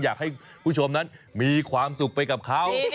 อยากให้ผู้ชมนั้นมีความสุขไปกับเขา